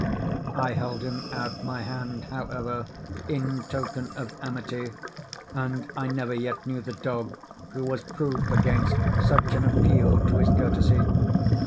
I held him out my hand, however, in token of amity—and I never yet knew the dog who was proof against such an appeal to his courtesy.